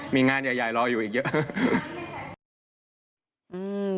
มีงานใหญ่รออยู่อีกเยอะ